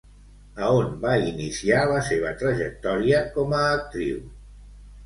A on va iniciar la seva trajectòria com a actriu?